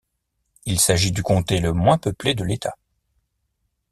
Il s'agit du comté le moins peuplé de l'État.